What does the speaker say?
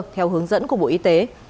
theo hướng dẫn của bộ y tế